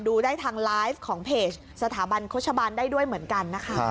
ดูได้ทางไลฟ์ของเพจสถาบันโฆษบาลได้ด้วยเหมือนกันนะคะ